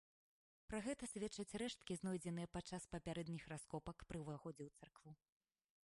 Пра гэта сведчаць рэшткі, знойдзеныя падчас папярэдніх раскопак пры ўваходзе ў царкву.